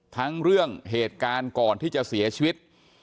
ทั้งเรื่องเหตุการณ์ก่อนที่จะเสียชีวิต